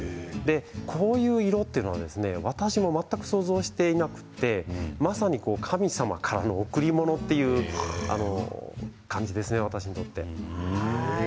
こういう色というのは私も全く想像していなくてまさに神様からの贈り物という感じですね、私にとって。